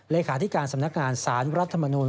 เลขาที่การสำนักงานสารรัฐธรรมนูน